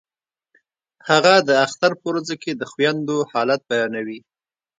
هغه د اختر په ورځو کې د خویندو حالت بیانوي